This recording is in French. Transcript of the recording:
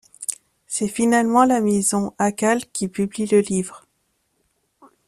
C'est finalement la maison Akal qui publie le livre.